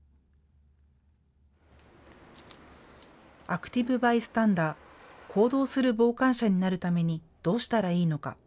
アクティブバイスタンダー・行動する傍観者になるためにどうしたらいいのか。